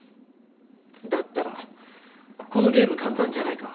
だったらこのゲーム簡単じゃないか。